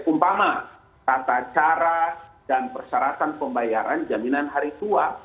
umpama tata cara dan persyaratan pembayaran jaminan hari tua